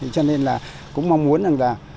cho nên là cũng mong muốn là